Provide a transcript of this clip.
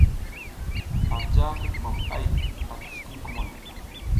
Anja ki jumom ay ati sukumuŋ kumoy.